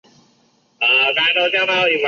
普通勇号仅见于清前和清初。